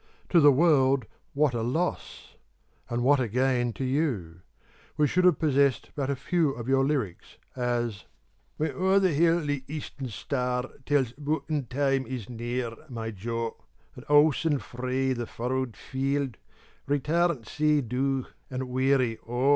To the world what a loss! and what a gain to you! We should have possessed but a few of your lyrics, as When o'er the hill the eastern star Tells bughtin time is near, my jo; And owsen frae the furrowed field, Return sae dowf and wearie O!